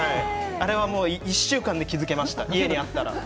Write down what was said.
あれは１週間で気付けました、家にあったら。